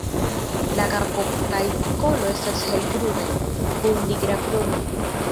La kapo kaj kolo estas helbrunaj, kun nigra krono.